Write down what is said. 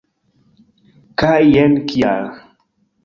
Kaj jen kial!